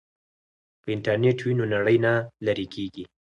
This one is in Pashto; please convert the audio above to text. که انټرنیټ وي نو نړۍ نه لیرې کیږي.